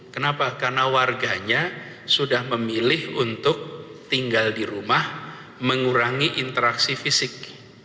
kenapa karena warganya sudah memilih untuk tinggal di rumah mengurangi interaksi fisik